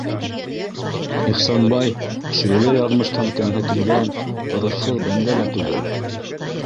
Ихсанбай шөйлә яҙмыштан кәмһетелгән, ырыҫһыҙ бәндә лә түгел.